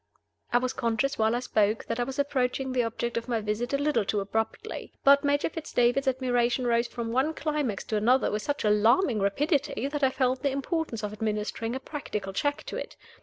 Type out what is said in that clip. I was conscious, while I spoke, that I was approaching the object of my visit a little too abruptly. But Major Fitz David's admiration rose from one climax to another with such alarming rapidity that I felt the importance of administering a practical check to it.